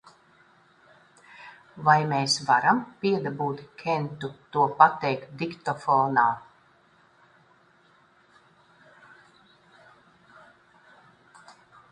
Vai mēs varam piedabūt Kentu to pateikt diktofonā?